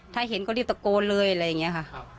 ถ้าเห็นก็รีบตะโกนเลยอะไรอย่างนี้ค่ะ